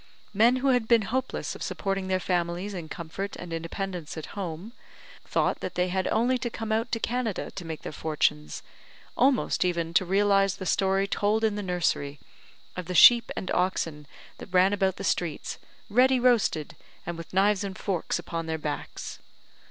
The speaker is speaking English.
Men who had been hopeless of supporting their families in comfort and independence at home, thought that they had only to come out to Canada to make their fortunes; almost even to realise the story told in the nursery, of the sheep and oxen that ran about the streets, ready roasted, and with knives and forks upon their backs.